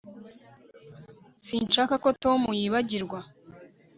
Sinshaka ko Tom yibagirwa